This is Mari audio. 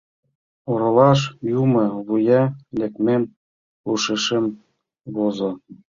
Оролаш йӱмӧ вуя лекмем ушешем возо.